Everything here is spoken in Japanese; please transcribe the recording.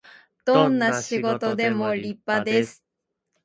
どんな仕事でも立派です